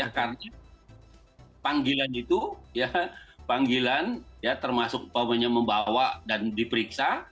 karena panggilan itu panggilan termasuk membawa dan diperiksa